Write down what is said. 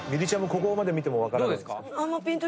ここまで見ても分からないですか？